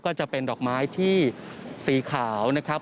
ก็จะเป็นดอกไม้ที่สีขาวนะครับ